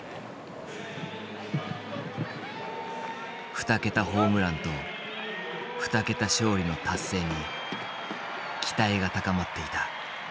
２桁ホームランと２桁勝利の達成に期待が高まっていたこの試合。